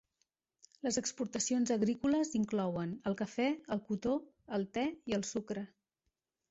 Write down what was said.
Les exportacions agrícoles inclouen el cafè, el cotó, el te i el sucre.